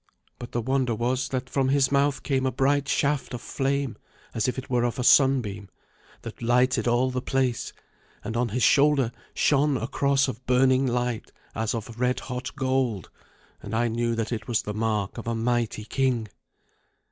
But the wonder was that from his mouth came a bright shaft of flame, as it were of a sunbeam, that lighted all the place, and on his shoulder shone a cross of burning light as of red hot gold, and I knew that it was the mark of a mighty king.